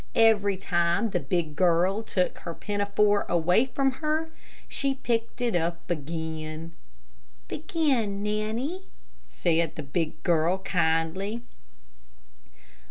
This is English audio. Every time the big girl took her pinafore away from her, she picked it up again. "Begin, Nannie," said the big girl, kindly.